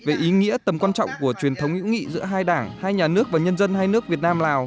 về ý nghĩa tầm quan trọng của truyền thống hữu nghị giữa hai đảng hai nhà nước và nhân dân hai nước việt nam lào